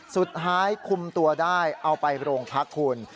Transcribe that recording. สุดท้ายคุมตัวได้เอาไปโรงพักคุณ